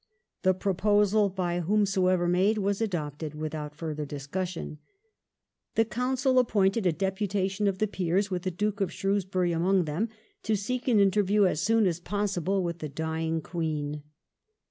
The proposal, by whomsoever made, was adopted without further discussion. The Council appointed a deputation of the Peers, with the Duke of Shrewsbury among them, to seek an interview as soon as possible with the dying Queen.